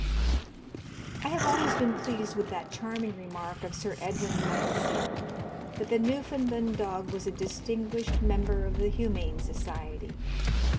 I have always been pleased with that charming remark of Sir Edwin Landseer, that the Newfoundland dog was a "distinguished Member of the Humane Society."